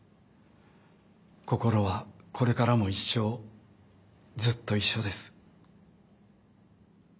心はこれからも一生ずっと一緒です。